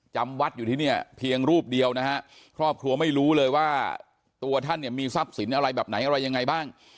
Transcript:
จำวัดอยู่ที่เนี่ยเพียงรูปเดียวนะฮะครอบครัวไม่รู้เลยว่าตัวท่านเนี่ยมีทรัพย์สินอะไรแบบไหนอะไรยังไงบ้าง